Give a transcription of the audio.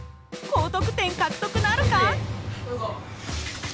高得点獲得なるか？